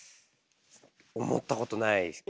思ったことないですね。